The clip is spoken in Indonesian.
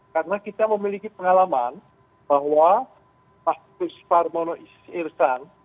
karena kita memiliki pengalaman bahwa pak suspar mono irsan